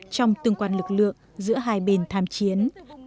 trong tương quan lực lượng giữa hai bên tham chiến